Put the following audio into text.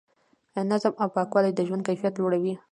نظم او پاکوالی د ژوند کیفیت لوړوي.